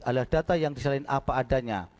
adalah data yang disalin apa adanya